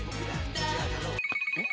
えっ？